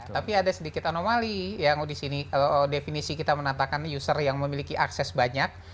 tapi ada sedikit anomali yang di sini definisi kita menatakan user yang memiliki akses banyak